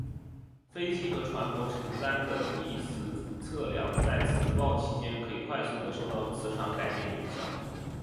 飞机和船舶承担的地磁测量在磁暴期间可以快速的受到磁场改变影响。